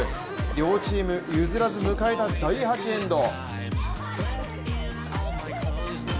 両チーム、譲らず迎えた第８エンド。